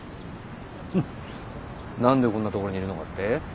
何でこんなところにいるのかって？